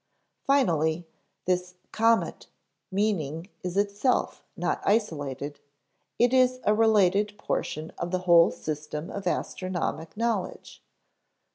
Finally, this comet meaning is itself not isolated; it is a related portion of the whole system of astronomic knowledge.